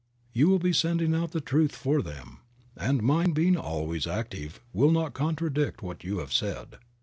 You will be sending out the truth for them, and mind being always active will not contradict what you have said.